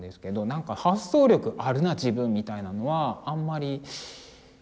なんか「発想力あるな自分」みたいなのはあんまりなかったですね。